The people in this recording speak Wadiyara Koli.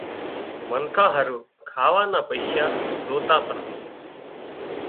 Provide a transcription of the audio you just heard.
منکان هارُو کاوا نا پئيشا زوتا تا